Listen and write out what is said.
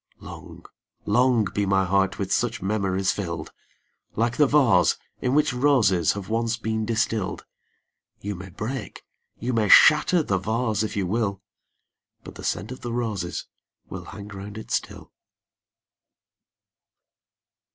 Long, long be my heart with such memories fill'd ! Like the vase, in which roses have once been distill'd — You may break, you may shatter the vase if you will, But the scent of the roses will hang round it still.